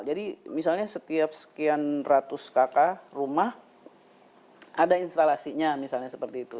jadi misalnya setiap sekian ratus kakak rumah ada instalasinya misalnya seperti itu